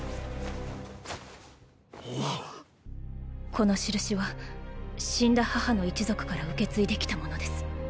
この印は死んだ母の一族から受け継いできたものです。